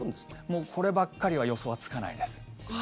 もうこればっかりは予想はつかないです。